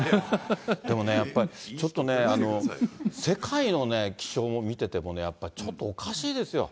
でもね、やっぱりちょっとね、世界の気象も見ててもね、やっぱりちょっとおかしいですよ。